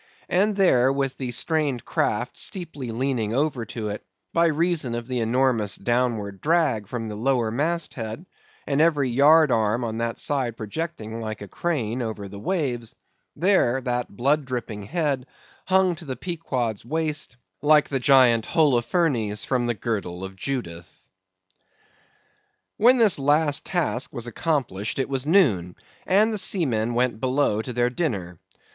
And there with the strained craft steeply leaning over to it, by reason of the enormous downward drag from the lower mast head, and every yard arm on that side projecting like a crane over the waves; there, that blood dripping head hung to the Pequod's waist like the giant Holofernes's from the girdle of Judith. When this last task was accomplished it was noon, and the seamen went below to their dinner.